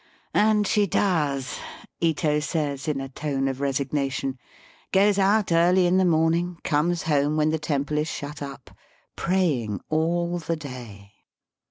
*^And she does," Ito says in a tone of resignation :^^ goes out early in the morning, comes home when the temple is shut up, pray ing all the day."